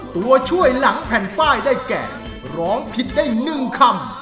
ตัวช่วยหลังแผ่นป้ายได้แก่ร้องผิดได้๑คำ